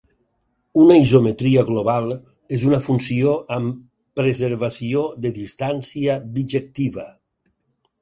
Una isometria global és una funció amb preservació de distància bijectiva.